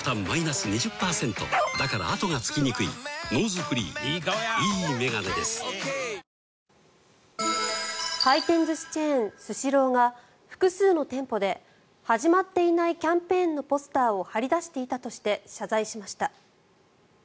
「サントリー天然水」回転寿司チェーンスシローが、複数の店舗で始まっていないキャンペーンのポスターを貼り出していたとして謝罪しました。